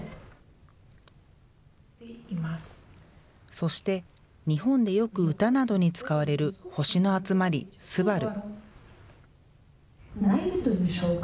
そして日本でよく歌などに使われる星の集まり、すばる。